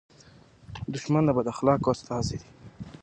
دښمن د بد اخلاقو استازی دی